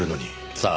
さあ？